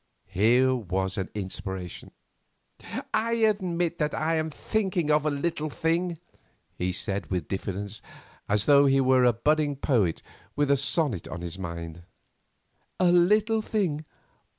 Here was an inspiration. "I admit that I am thinking of a little thing," he said with diffidence, as though he were a budding poet with a sonnet on his mind. "A little thing?